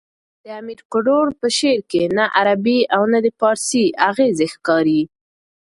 د امیر کروړ په شعر کښي نه عربي او نه د پاړسي اغېزې ښکاري.